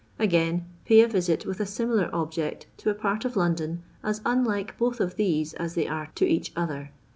" Again : pay a visit, with a simihir object, to a part ot London, as unlike both of these as they are to each other.